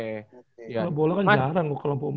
kalau bola kan jarang kalau pomer gitu